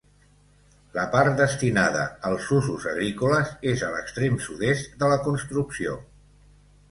La part destinada als usos agrícoles és a l'extrem sud-est de la construcció.